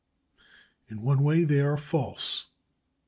In one way they are false.